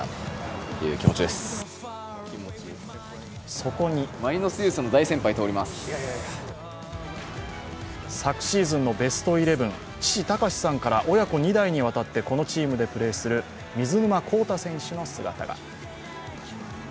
そこに昨シーズンのベストイレブン父・貴史さんから親子２代にわたってこのチームでプレーする水沼宏太選手の姿が。